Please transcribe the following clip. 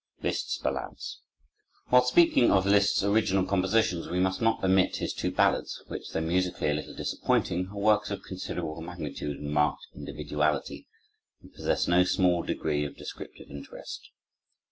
Liszt's Ballades While speaking of Liszt's original compositions, we must not omit his two ballades, which, though musically a little disappointing, are works of considerable magnitude and marked individuality, and possess no small degree of descriptive interest.